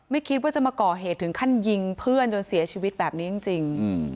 ไม่คิดว่าจะมาก่อเหตุถึงขั้นยิงเพื่อนจนเสียชีวิตแบบนี้จริง